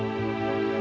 oke pak jika scandi